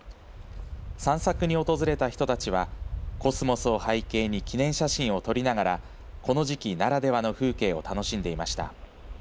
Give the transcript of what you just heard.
散策に訪れた人たちはコスモスを背景に記念写真を撮りながらこの時期ならではの風景を楽しんでいました。